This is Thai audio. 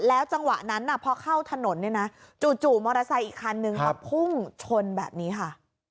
จังหวะนั้นพอเข้าถนนเนี่ยนะจู่มอเตอร์ไซค์อีกคันนึงมาพุ่งชนแบบนี้ค่ะ